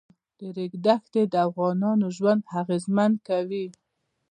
د ریګ دښتې د افغانانو ژوند اغېزمن کوي.